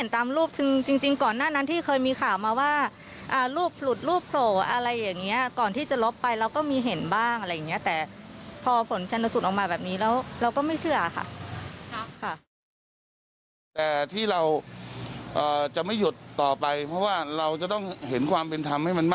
ทุกคนทั่วไปที่เค้าอยากรู้นะครับ